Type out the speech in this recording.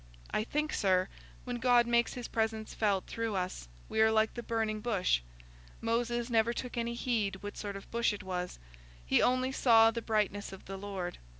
I think, sir, when God makes His presence felt through us, we are like the burning bush: Moses never took any heed what sort of bush it was—he only saw the brightness of the Lord.